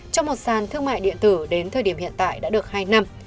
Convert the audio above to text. trong một sàn thương mại điện tử đến thời điểm hiện tại đã được hai năm